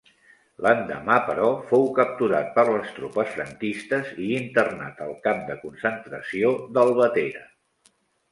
L'endemà, però, fou capturat per les tropes franquistes i internat al camp de concentració d'Albatera.